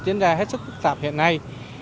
chiến ra hết sức phức tạp hiện nay